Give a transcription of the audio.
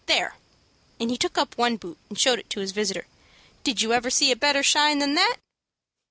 There," and he took up one boot, and showed it to his visitor, "did you ever see a better shine than that?"